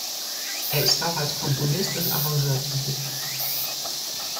Er ist auch als Komponist und Arrangeur tätig.